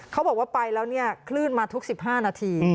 เขาบอกว่าไปแล้วเนี่ยคลื่นมาทุก๑๕นาที